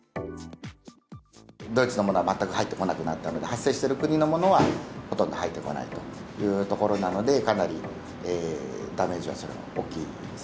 ドイツのものは全く入ってこなくなったもので、発生してる国のものはほとんど入ってこないというところなので、かなりダメージは大きいです。